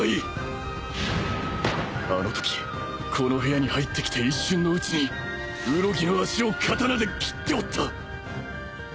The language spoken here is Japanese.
あのときこの部屋に入ってきて一瞬のうちに空喜の足を刀で斬っておった